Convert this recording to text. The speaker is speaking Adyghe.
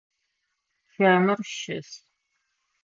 Чэмыр щыс.